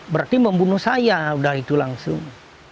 berarti membunuh saya udah itu langsung